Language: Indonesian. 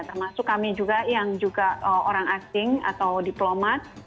termasuk kami juga yang juga orang asing atau diplomat